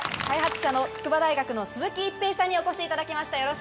開発者の筑波大学の鈴木一平さんにお越しいただきました